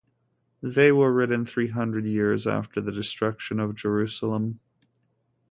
They were written three hundred years after the destruction of Jerusalem.